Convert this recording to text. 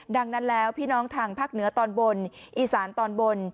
ดังนั้นแล้วพี่น้องทางภาคเหนือตอนบนอีสานตอนบน